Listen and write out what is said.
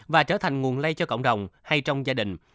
và trở thành nguồn lây cho cộng đồng hay trong gia đình